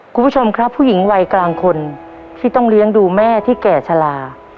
คุณผู้ชมครับผู้หญิงวัยกลางคนที่ต้องเลี้ยงดูแม่ที่แก่ชะลา